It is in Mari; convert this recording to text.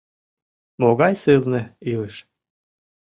Могай сылне илыш!